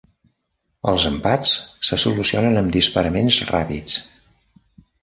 Els empats se solucionen amb disparaments ràpids.